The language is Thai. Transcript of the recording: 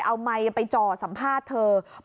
เอาไมค์ไปจ่อสัมภาษณ์เธอ